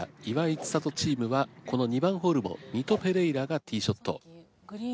千怜チームはこの２番ホールもミト・ペレイラがティーショット。